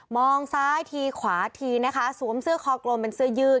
ซ้ายทีขวาทีนะคะสวมเสื้อคอกลมเป็นเสื้อยืด